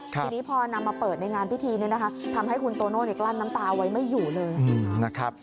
ทีนี้พอนำมาเปิดในงานพิธีเนี่ยนะคะทำให้คุณโตโน่กลั้นน้ำตาไว้ไม่อยู่เลยนะครับ